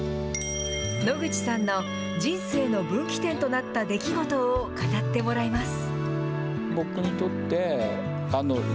野口さんの人生の分岐点となった出来事を語ってもらいます。